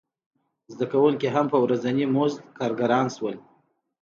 زده کوونکي هم په ورځیني مزد کارګران شول.